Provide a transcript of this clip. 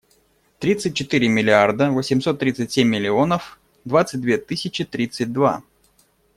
Тридцать четыре миллиарда восемьсот тридцать семь миллионов двадцать две тысячи тридцать два.